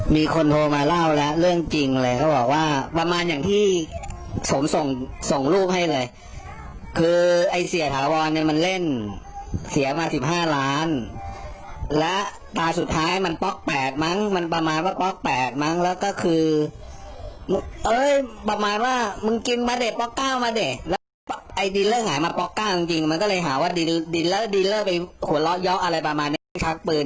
มีคนโทรมาเล่าแล้วเรื่องจริงเลยเขาบอกว่าประมาณอย่างที่ผมส่งส่งลูกให้เลยคือไอ้เสียถาวรเนี่ยมันเล่นเสียมาสิบห้าล้านแล้วตาสุดท้ายมันป๊อกแตกมั้งมันประมาณว่าป๊อกแตกมั้งแล้วก็คือเออประมาณว่ามึงกินมาดิปล็อกเก้ามาดิแล้วไอ้ดินเริ่มหายมาปล็อกเก้าจริงจริงมันก็เลยหาว่าดินดินแล้วดินเลอร์ไปหัวเราะเยอะอะไรประมาณเนี้ยไปชักปืน